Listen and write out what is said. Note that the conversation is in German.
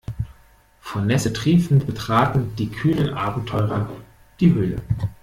Vor Nässe triefend betraten die kühnen Abenteurer die Höhle.